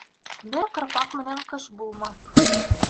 Бер ҡырпаҡ менән ҡыш булмаҫ.